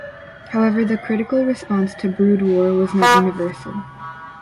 However, the critical response to "Brood War" was not universal.